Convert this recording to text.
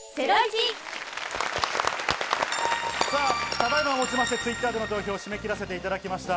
ただ今をもちましてＴｗｉｔｔｅｒでの投票を締め切らせていただきました。